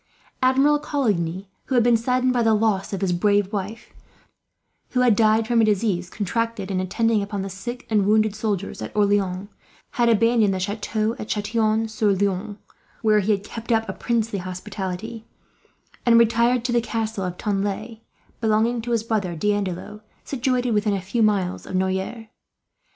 Admiral Coligny, who had been saddened by the loss of his brave wife, who had died from a disease contracted in attending upon the sick and wounded soldiers at Orleans, had abandoned the chateau at Chatillon sur Loing, where he had kept up a princely hospitality; and retired to the castle of Tanlay, belonging to his brother D'Andelot, situated within a few miles of Noyers.